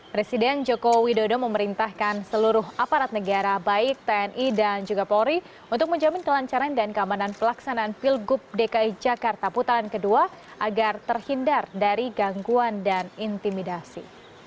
presiden joko widodo memerintahkan seluruh aparat negara baik tni dan juga polri untuk menjamin kelancaran dan keamanan pelaksanaan pilgub dki jakarta putaran kedua agar terhindar dari gangguan dan intimidasi